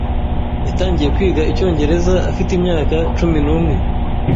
Yatangiye kwiga icyongereza afite imyaka cumi n'umwe.